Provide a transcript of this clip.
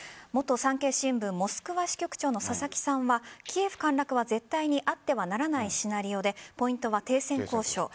元産経新聞モスクワ支局長の佐々木さんはキエフ陥落は絶対にあってはならないシナリオでポイントは停戦交渉。